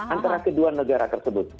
antara kedua negara tersebut